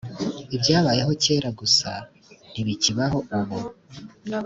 ibyabayeho kera gusa nti bikibaho ubu